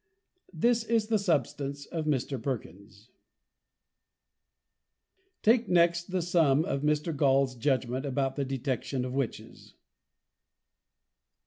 _ This is the Substance of Mr. Perkins. Take next the Sum of Mr. Gaules Judgment about the Detection of Witches.